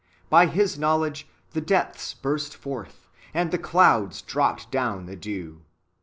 By His knowledge the depths burst forth, and the clouds dropped down the dew."